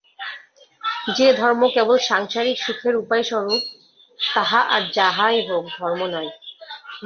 যে ধর্ম কেবল সাংসারিক সুখের উপায়স্বরূপ, তাহা আর যাহাই হউক, ধর্ম নয়।